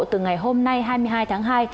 từ ngày hôm nay hai mươi hai tháng hai